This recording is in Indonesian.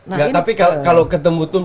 tapi kalau ketemu tuh